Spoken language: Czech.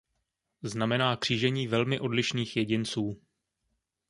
Znamená křížení velmi odlišných jedinců.